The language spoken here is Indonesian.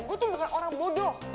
gue tuh bukan orang bodoh